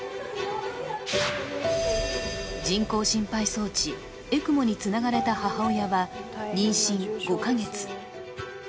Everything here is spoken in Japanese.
人工心肺装置ＥＣＭＯにつながれた母親は妊娠５か月。